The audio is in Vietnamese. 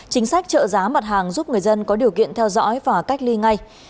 chính sách trợ giá mặt hàng giúp người dân có điều kiện theo dõi và cách ly ngay